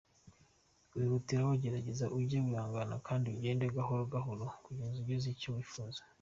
Wihutiraho gerageza uge wihangana kandi ugende gahoro gahoro kugeza ugeze kucyo wifuza.